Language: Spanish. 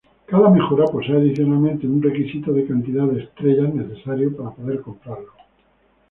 Cada mejora posee adicionalmente un requisitos de cantidad de "estrellas" necesario para poder comprarlo.